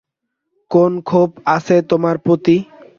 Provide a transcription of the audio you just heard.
কোন ক্ষোভ আছে তোমার প্রতি?